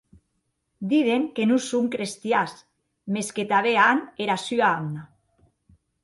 Diden que non son crestians, mès que tanben an era sua amna.